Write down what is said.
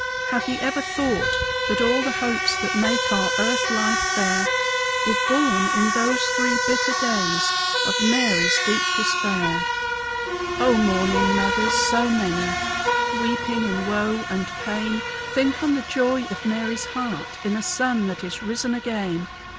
Have ye ever thought that all the hopes That make our earth life fair, Were born in those three bitter days Of Mary's deep despair? O mourning mothers, so many, Weeping in woe and pain, Think on the joy of Mary's heart In a Son that is risen again.